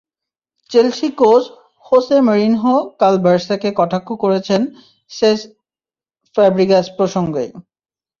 Chelsea coach Jose Mourinho কাল বার্সাকে কটাক্ষ করেছেন সেস ফ্যাব্রিগাস প্রসঙ্গেই।